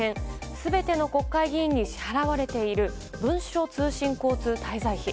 全ての国会議員に支払われている文書通信交通滞在費。